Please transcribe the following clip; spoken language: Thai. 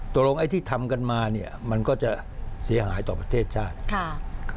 ตรงไอ้ที่ทำกันมาเนี่ยมันก็จะเสียหายต่อประเทศชาติค่ะ